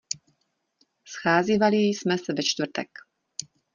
Scházívali jsme se ve čtvrtek.